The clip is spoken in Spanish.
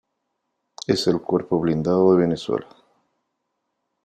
Es el cuerpo blindado de Venezuela.